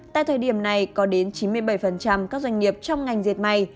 tại thời điểm này có đến chín mươi bảy các doanh nghiệp trong ngành diệt may